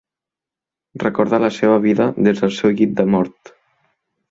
Recorda la seva vida des del seu llit de mort.